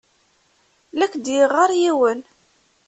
La ak-d-yeɣɣar yiwen.